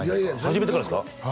はじめてからですか？